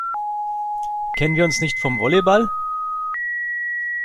Kennen wir uns nicht vom Volleyball?